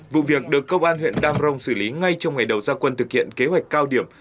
vụ việc được công an huyện đam rông xử lý ngay trong ngày đầu gia quân thực hiện kế hoạch cao điểm